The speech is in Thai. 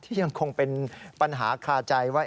ยังคงเป็นปัญหาคาใจว่า